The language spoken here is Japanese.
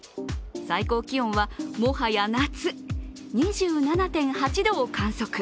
最高気温はもはや夏２７．８度を観測。